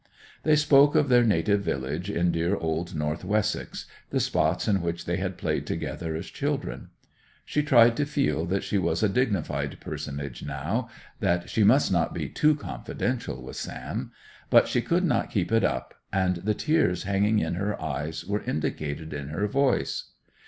They spoke of their native village in dear old North Wessex, the spots in which they had played together as children. She tried to feel that she was a dignified personage now, that she must not be too confidential with Sam. But she could not keep it up, and the tears hanging in her eyes were indicated in her voice.